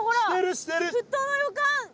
沸騰の予感！